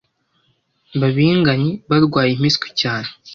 babigannye barwaye impiswi cyane